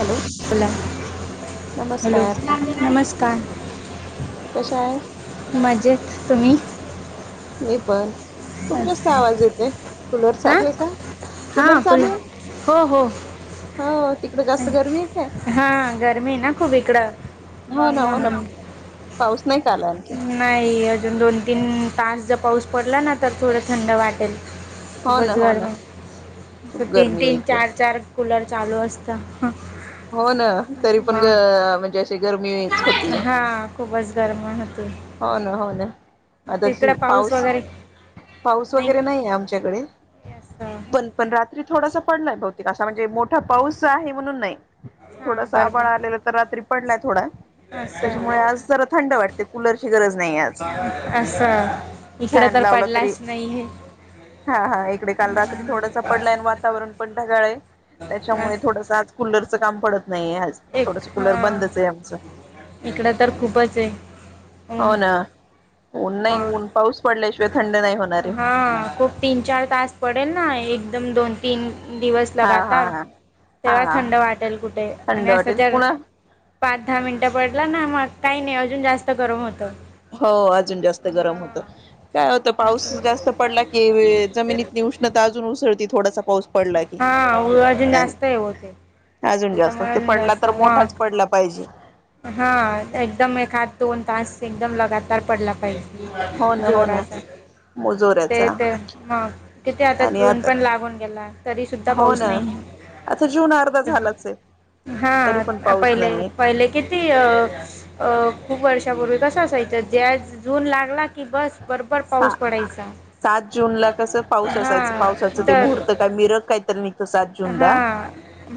Hello hello नमस्कार नमस्कार. कशा आहे. मजेत तुम्ही? मी पण. खूप जास्त आवाज येतेय कूलर हां चालूय का, हां कूलर बोला चालूये. हो हो हं तिकडे जास्त गरमीच आहे. हा गरमी ना खूप इकडं. हो मग ना, हो ना म्हणून पाऊस नहीच आला आणखीनं. नाही अजून दोन तीन तास ज पाऊस पडला ना, तर थोडं थंड वाटेल. हो ना खूपच हो ना गर्मी खूप तीन गरमी आहे तीन, इकडे चार चार कूलर चालू असता. हो ना तरी पण ग म्हणजे असे. हा खूपच गरम होतंय. हो ना, हो ना. आता सी पाऊस, पाऊस नाही वगैरे नाहीये आमच्याकडे. पण [unintelligible] पण रात्री थोडांसां पडलाय बहुतेक आसा म्हणजे मो ठ्ठा पाऊस आहे म्हणून नाही, हां थोडासा आभाळ बरोबर आलेल त रात्री पडलाय थोडा. त्याच्यामुळे असं आज जरा थंड वाटते. कूलरची गरज नाही आज असं इकडं फॅन तर लावला तरी. पडलाच नाही हे हा हा इकडे काल रात्री थोडासा पडलाय नं वा तावरण पण ढगाळ आहे त्याच्यामुळे अस थोडस आज कूलरचं काम पडत नाहीये आज. एक थोडस कुलर हा बंदच हे आमचं. इकडं तर खूपच हे. हो ना ऊन नाही ऊन पाऊस पडल्याशिवाय थंड नाही होणारे. हा खूप तीन चार तास पडेल ना, एकदम दोन- तीन दिवस हा लगातार, हा हा तेव्हा हा थंड वाटेल कुठे थंड आणि असं वाटेल जर पुन्हा पाच दहा मिनटं पडला ना मग, काही नाही अजून जास्त गरम होतं. हो, अजून जास्त गरम हा होतं. काय होतं, पाऊस असं जास्त पडला की जमिनीत उष्णता अजून उसळती थोडासा पाऊस पडला की हा, अजून जास्त हे होतय. अजून जास्त होतंय, पडला तर मोठाच पडला पाहिजे. हा, एकदम एखाद दोन -तास एकदम लगातार पडला हो पाहिजे. ना हो ना जोराचा. मुजोऱ्याचा ते, ते हा तिथे आता जून पण लागून गेला. तरी सुद्धा हो पाऊस ना नाही. आता जून अर्धा झालाच आहे तरी पण हा पाऊस पहिले, नाही पहिले की ती खूप वर्षापूर्वी कस असायचं, ज्या जून लागला की, बस बरबर सा पाऊस पडायचा. सात जूनला कसं पाऊस असायचं, पावसाचं हा ते तर मुहूर्त काय मिरक कायतर नि ते, सात हा जूनला,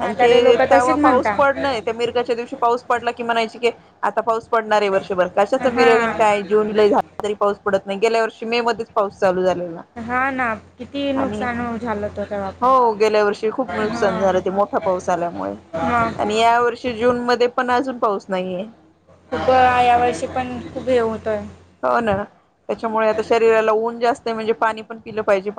आणि ते लोक तेव्हा तसेच पाऊस म्हणता पडणंय त्या मिर्गाच्या दिवशी पाऊस पडला की म्हणायचं की, आता पाऊस पडणार हाय वर्षभर, कशाच हा मिरग आणि काय जून लई पाऊस पडत नाही, गेल्या वर्षी मे मध्येच पाऊस चालू झालेला. हा ना किती आणि, नुकसान झालं होतं तेव्हा पण हो गेल्या वर्षी खूप नुकसान झालं ते हा मोठ ठा पाऊस आल्यामुळे, मग आणि या वर्षी जून मध्ये पण अजून पाऊस नाहीये. खूप यावर्षी पण, खूप हे होतय. हो ना, त्याच्यामुळे आता शरीराला ऊन जास्त म्हणजे पाणी पण पिलं पाहिजे